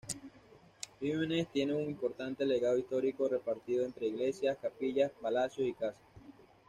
Bimenes tiene un importante legado histórico, repartido entre iglesias, capillas, palacios, y casas.